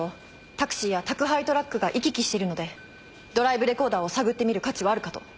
タクシーや宅配トラックが行き来してるのでドライブレコーダーを探ってみる価値はあるかと。